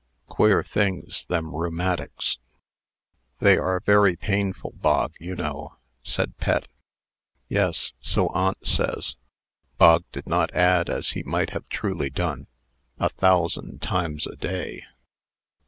Queer things, them rheumatics!" "They are very painful, Bog, you know," said Pet. "Yes; so aunt says." Bog did not add, as he might have truly done, "A thousand times a day."